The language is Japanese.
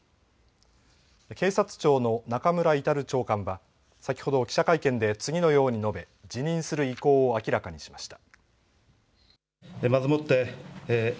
警察庁の中村格長官は先ほど記者会見で次のように述べ辞任する意向を明らかにしました。